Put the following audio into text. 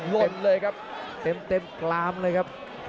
วนเลยครับเต็มกลามเลยครับ